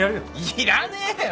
いらねえよ。